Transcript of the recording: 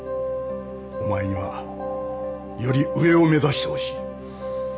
お前にはより上を目指してほしい。